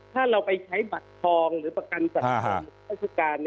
ถ้าเราไปใช้บัตรทองหรือประกันสรรคุณพฤการ